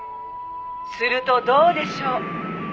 「するとどうでしょう！」